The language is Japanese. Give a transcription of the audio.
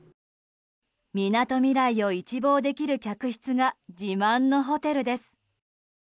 みなとみらいを一望できる客室が自慢のホテルです。